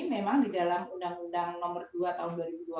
memang di dalam undang undang nomor dua tahun dua ribu dua puluh